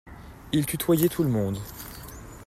Il tutoyait tout le monde.